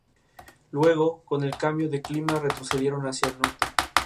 Todos los jueces elogiaron su desempeño.